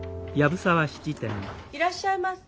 いらっしゃいま。